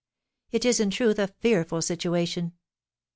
It is, in truth, a fearful situation.